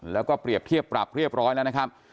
แล้วก็เปรียบเทียบปรับเรียบร้อยแล้วนะครับ